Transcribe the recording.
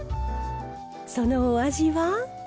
そのお味は？